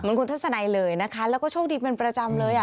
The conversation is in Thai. เหมือนคุณทัศนัยเลยนะคะแล้วก็โชคดีเป็นประจำเลย